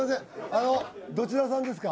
あのどちらさんですか？